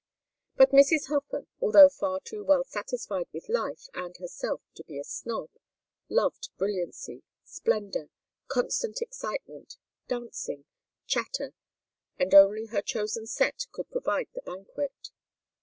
But Mrs. Hofer, although far too well satisfied with life and herself to be a snob, loved brilliancy, splendor, constant excitement, dancing, chatter; and only her chosen set could provide the banquet.